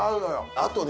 あとね